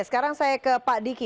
sekarang saya ke pak diki